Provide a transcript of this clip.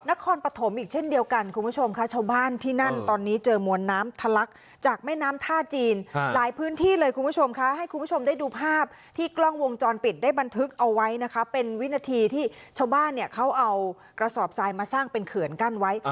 นครปฐมอีกเช่นเดียวกันคุณผู้ชมค่ะชาวบ้านที่นั่นตอนนี้เจอมวลน้ำทะลักจากแม่น้ำท่าจีนหลายพื้นที่เลยคุณผู้ชมค่ะให้คุณผู้ชมได้ดูภาพที่กล้องวงจรปิดได้บันทึกเอาไว้นะคะเป็นวินาทีที่ชาวบ้านเนี่ยเขาเอากระสอบทรายมาสร้างเป็นเขื่อนกั้นไว้